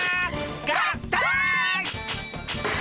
合体！